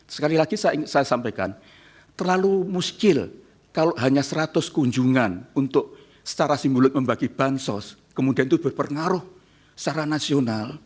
sekali lagi saya sampaikan terlalu muskil kalau hanya seratus kunjungan untuk secara simbolik membagi bansos kemudian itu berpengaruh secara nasional